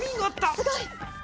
すごい！